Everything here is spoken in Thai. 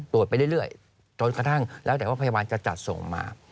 ไปเรื่อยจนกระทั่งแล้วแต่ว่าพยาบาลจะจัดส่งมา